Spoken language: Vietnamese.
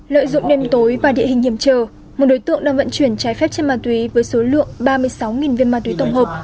lợi dụng đêm tối và địa hình hiểm trở một đối tượng đang vận chuyển trái phép trên ma túy với số lượng ba mươi sáu viên ma túy tổng hợp